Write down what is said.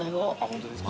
本当ですか？